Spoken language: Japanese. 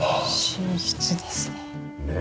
寝室ですね。